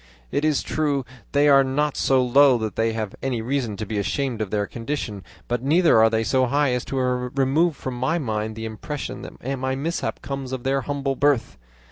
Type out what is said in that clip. It is true they are not so low that they have any reason to be ashamed of their condition, but neither are they so high as to remove from my mind the impression that my mishap comes of their humble birth.